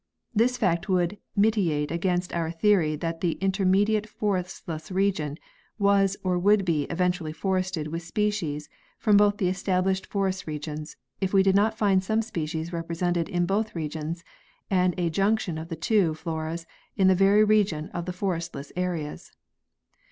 This fact would militate against our theory that the intermediate forestless region was or would be eventually forested with species from both the established forest regions, if we did not find some species represented in both regions and a junction of the two floras in the very region of the forestless areas.